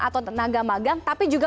atau tenaga magang tapi juga